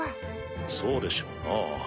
そうでしょうな。